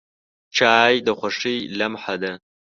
چای د خوښۍ لمحه ده.